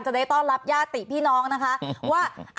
จะได้ต้อนรับญาติตีพี่น้องนะคะ